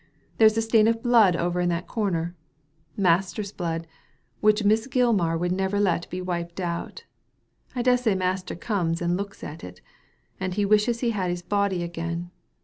There's a stain of blood over in that comer — master's blood, which Miss Gilmar would never let be wiped out I dessay master comes and looks at it, and wishes he had his body again.